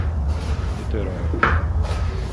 Niterói